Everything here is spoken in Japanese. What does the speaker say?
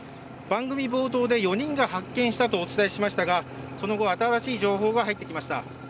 番組冒頭で４人が発見されたとお伝えしましたがその後、新しい情報が入ってきました。